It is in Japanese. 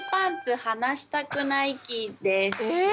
え